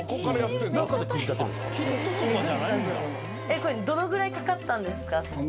これどのぐらいかかったんですか？